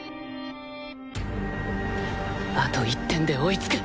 あと１点で追いつく！